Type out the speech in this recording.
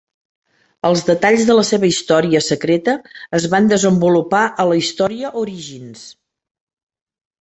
Els detalls de la seva història secreta es van desenvolupar a la història "Origins".